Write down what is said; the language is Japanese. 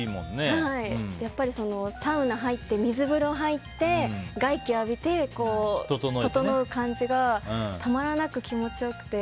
やっぱり、サウナに入って水風呂入って外気浴びて、整う感じがたまらなく気持ちよくて。